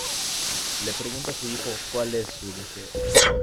Le pregunta a su hijo cuál es su deseo.